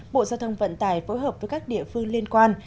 bộ giao thông vận tải phối hợp với các địa phương liên quan